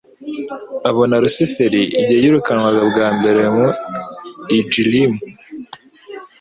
Abona Lusiferi igihe yirukanwaga bwa mbere mu ijlmu,